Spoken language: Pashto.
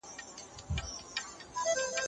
په څېړنه کي احساساتي پرېکړي د منلو وړ نه دي.